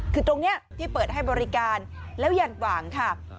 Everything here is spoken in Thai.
คือตรงนี้ที่เปิดให้บริการแล้วยันหว่างค่ะ